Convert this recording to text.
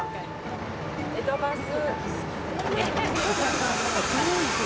江戸バス。